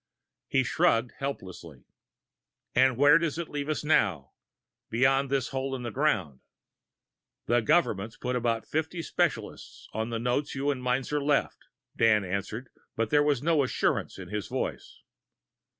He shrugged helplessly. "And where does it leave us now beyond this hole in the ground?" "The Government's put about fifty specialists on the notes you and Meinzer left," Dan answered, but there was no assurance in his voice.